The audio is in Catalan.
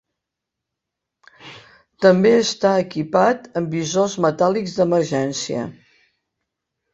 També està equipat amb visors metàl·lics d'emergència.